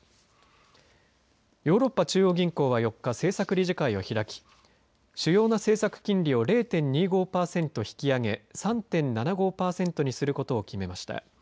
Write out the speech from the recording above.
ヨーロッパ中央銀行は４日政策理事会を開き主要な政策金利を０．２５パーセント引き上げ３．７５パーセントにすることを決めました。